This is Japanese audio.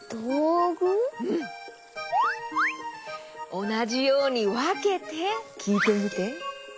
おなじようにわけてきいてみて。